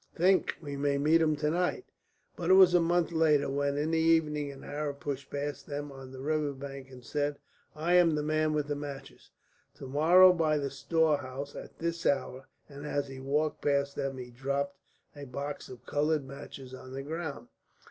Think, we may meet him to night!" But it was a month later when, in the evening, an Arab pushed past them on the river bank and said: "I am the man with the matches. To morrow by the storehouse at this hour." And as he walked past them he dropped a box of coloured matches on the ground.